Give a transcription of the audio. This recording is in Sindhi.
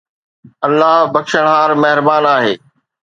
الله بخشڻھار مھربان آھي